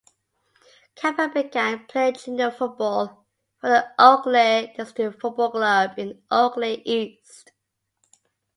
Capper began playing junior football for the Oakleigh District Football Club in Oakleigh East.